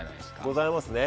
ございますね。